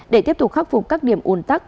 để tiếp tục khắc phục các điểm ồn tắc